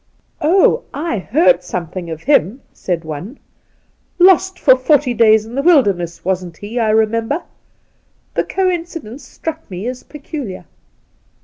' Oh, I heard something of him,' said one. ' Lost for forty days in the wilderness, wasn't he 1 I remember. The coincidence struck me as peculiar.'